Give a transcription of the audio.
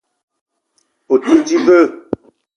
O te di ve?